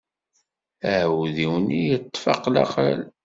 Aɛudiw-nni yeṭṭef aqlaqal.